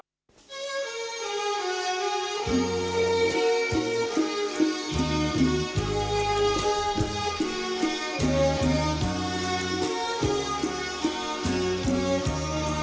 แผนที่๓ที่คุณนุ้ยเลือกออกมานะครับ